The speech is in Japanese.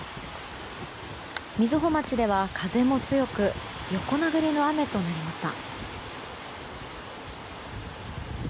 瑞穂町では風も強く横殴りの雨となりました。